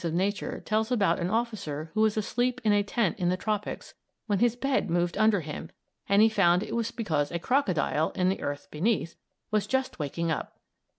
Hartwig's "Harmonies of Nature" tells about an officer who was asleep in a tent in the tropics, when his bed moved under him, and he found it was because a crocodile, in the earth beneath, was just waking up!